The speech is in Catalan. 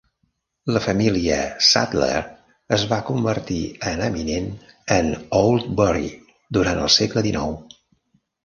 La família Sadler es va convertir en eminent en Oldbury durant el segle XIX.